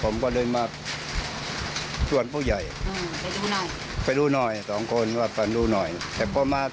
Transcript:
เออมาทำไมมึงมาทำไมมาทำไมวะ